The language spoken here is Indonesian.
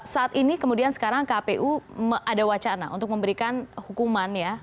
saat ini kemudian sekarang kpu ada wacana untuk memberikan hukuman ya